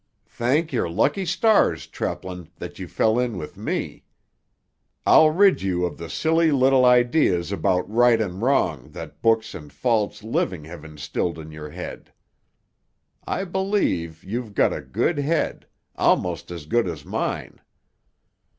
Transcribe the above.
"Thank your lucky stars, Treplin, that you fell in with me. I'll rid you of the silly little ideas about right and wrong that books and false living have instilled in your head. I believe you've got a good head—almost as good as mine.